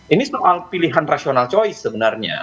ini soal pilihan rasional choice sebenarnya